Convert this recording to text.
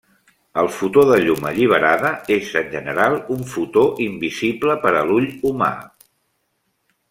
El fotó de llum alliberada és en general un fotó invisible per a l'ull humà.